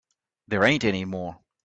There ain't any more.